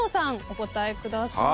お答えください。